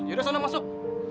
yaudah sana masuk